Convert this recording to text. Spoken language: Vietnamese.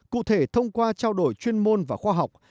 cụ thể thông qua trao đổi chuyên môn và khoa học